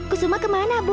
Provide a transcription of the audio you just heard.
kusuma kemana bu